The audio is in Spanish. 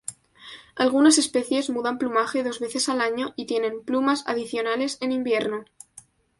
Algunas especies mudan plumaje dos veces al año, y tienen plumas adicionales en invierno.